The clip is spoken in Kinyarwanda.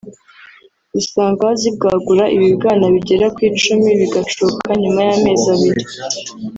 usanga zibwagura ibibwana bigera ku icumi bigacuka nyuma y’amezi abiri